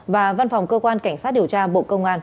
và văn phòng cơ quan cảnh sát điều tra bộ công an